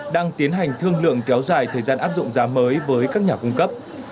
đang tiến hành thương lượng kéo dài thời gian áp dụng giá mới với các nhà cung cấp